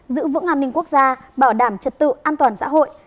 giữ vững an ninh quốc gia bảo đảm trật tự an toàn xã hội